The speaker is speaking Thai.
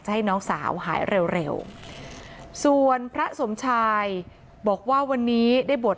ให้น้องสาวหายเร็วส่วนพระสมชายบอกว่าวันนี้ได้บวช